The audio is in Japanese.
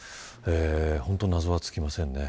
本当に謎は尽きませんね。